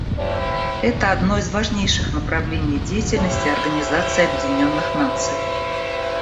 Это одно из важнейших направлений деятельности Организации Объединенных Наций.